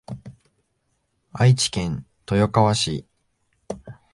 愛知県豊川市